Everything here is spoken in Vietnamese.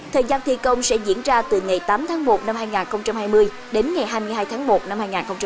thời gian thi công sẽ diễn ra từ ngày tám tháng một năm hai nghìn hai mươi đến ngày hai mươi hai tháng một năm hai nghìn hai mươi